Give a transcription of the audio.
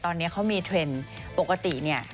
ตอนนี้เขามีเทรนด์ปกติเนี่ย